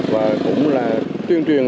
và cũng là tuyên truyền